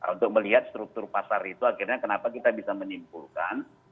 untuk melihat struktur pasar itu akhirnya kenapa kita bisa menyimpulkan